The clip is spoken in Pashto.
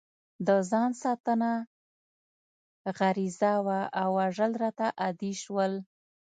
د ځان ساتنه غریزه وه او وژل راته عادي شول